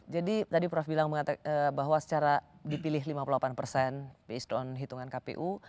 jadi tadi prof bilang bahwa secara dipilih lima puluh delapan based on hitungan kpu